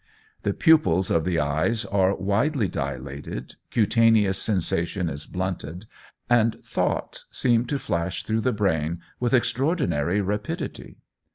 The pupils of the eyes are widely dilated, cutaneous sensation is blunted, and thoughts seem to flash through the brain with extraordinary rapidity.